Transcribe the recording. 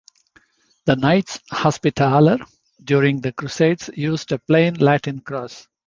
The Knights Hospitaller during the Crusades used a plain Latin cross.